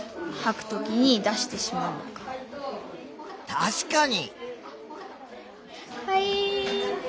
確かに！